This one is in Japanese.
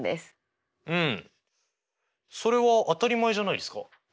うんそれは当たり前じゃないですか。